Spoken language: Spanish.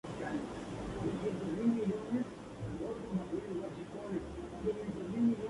Algunas personas, como Lansky, continuaron operando como afiliados de grupos italianos.